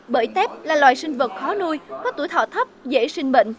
bởi tép là loài sinh vật khó nuôi có tuổi thọ thấp dễ sinh bệnh